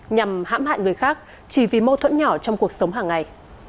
nhằm hãm hại người khác chỉ vì mâu thuẫn nhỏ trong cuộc sống hàng ngày